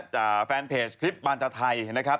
จากแฟนเพจคลิปบานตาไทยนะครับ